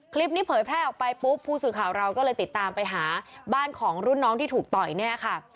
เผยแพร่ออกไปปุ๊บผู้สื่อข่าวเราก็เลยติดตามไปหาบ้านของรุ่นน้องที่ถูกต่อยเนี่ยค่ะ